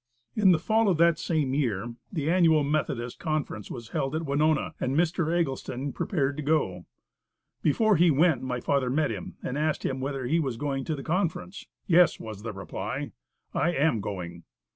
In the fall of that same year, the annual Methodist conference was held at Winona, and Mr. Eggleston prepared to go. Before he went my father met him, and asked him whether he was going to the conference. "Yes," was the reply, "I am going."